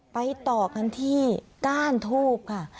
ไปต่อกันที่ก้านทูบค่ะ